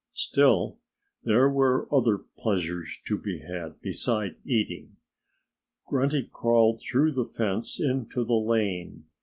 Still, there were other pleasures to be had besides eating. Grunty crawled through the fence into the lane.